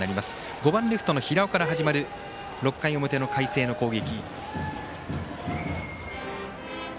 ５番レフトの平尾から始まる６回の表の海星の攻撃。